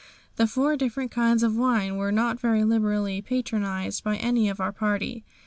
The four different kinds of wine were not very liberally patronised by any of our party.